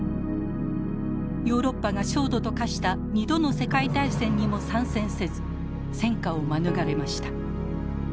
ヨーロッパが焦土と化した２度の世界大戦にも参戦せず戦火を免れました。